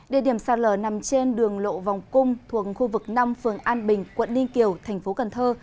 địa điểm sạt lở nằm trên đường lộ vòng cung thuộc khu vực năm phường an bình quận ninh kiều thành phố cần thơ